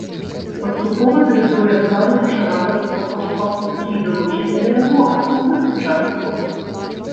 Паступова тэрыторыя саду пашыралася за кошт пакупкі і далучэння да яго асобных участкаў.